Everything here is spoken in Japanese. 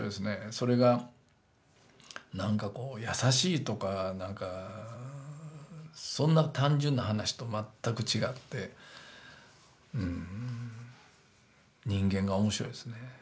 それがなんかこうやさしいとかなんかそんな単純な話と全く違って人間が面白いですね。